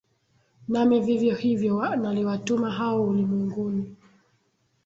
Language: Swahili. nami vivyo hivyo naliwatuma hao ulimwenguni